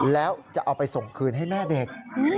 แล้วจะเอาไปส่งคืนให้แม่เด็ก